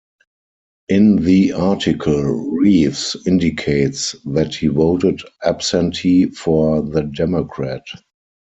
In the article, Reeves indicates that he voted absentee for the Democrat.